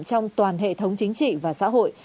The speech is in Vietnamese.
trong toàn hệ thống chính trị và xã hội